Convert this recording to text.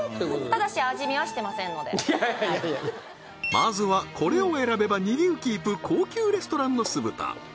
ただしいやいやいやまずはこれを選べば二流キープ高級レストランの酢豚